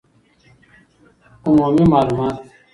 عمومي معلومات